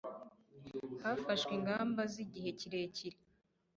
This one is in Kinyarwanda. hafashwe ingamba z igihe kirekire